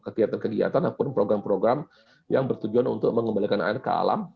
tidak hanya untuk kegiatan ataupun program program yang bertujuan untuk mengembalikan air ke alam